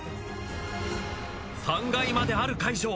３階まである会場。